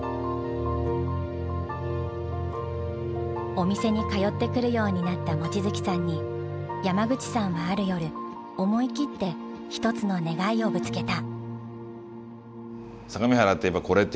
お店に通ってくるようになった望月さんに山口さんはある夜思い切ってひとつの願いをぶつけた。